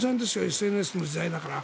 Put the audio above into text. ＳＮＳの時代だから。